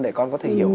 để con có thể hiểu hơn